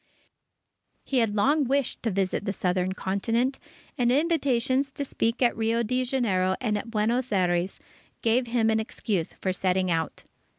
He had long wished to visit the Southern Continent, and invitations to speak at Rio Janeiro and at Buenos Aires, gave him an excuse for setting out.